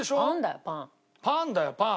パンだよパン。